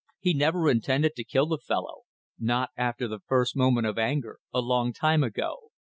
He never intended to kill the fellow not after the first moment of anger, a long time ago.